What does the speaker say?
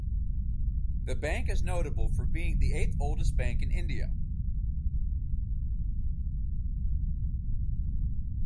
The bank is notable for being the eighth oldest bank in India.